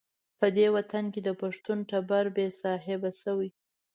په دې وطن کې د پښتون ټبر بې صاحبه شوی.